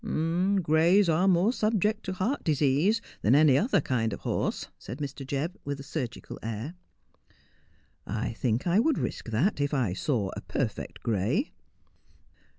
' Grays are more subject to heart disease than any other kind of horse,' said Mr. Jebb, with a surgical air. ' I think I would risk that, if I saw a perfect gray.'